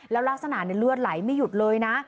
แล้วลักษณะเลือดไหลไม่หยุดเลยนะ